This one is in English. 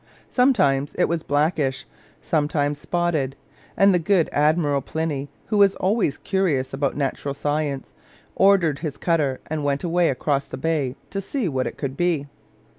Sometimes it was blackish, sometimes spotted; and the good Admiral Pliny, who was always curious about natural science, ordered his cutter and went away across the bay to see what it could be.